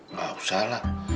nggak usah lah